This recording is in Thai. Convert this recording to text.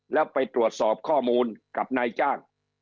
แล้วไปตรวจสอบข้อมูลกับนายจ้าง